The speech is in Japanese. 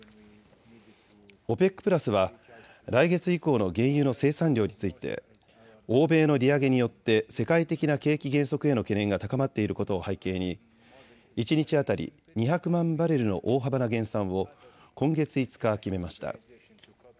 ＯＰＥＣプラスは来月以降の原油の生産量について欧米の利上げによって世界的な景気減速への懸念が高まっていることを背景に一日当たり２００万バレルの大幅な減産を今月５日、決めました。